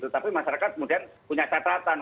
tapi masyarakat kemudian punya catatan